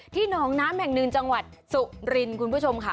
ที่น้องน้ำแห่งนึงจังหวัดสุรินคุณผู้ชมค่ะ